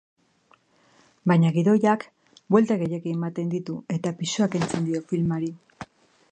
Baina gidoiak buelta gehiegi ematen ditu eta pisua kentzen dio filmari.